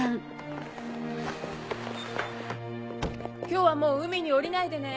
今日はもう海に下りないでね。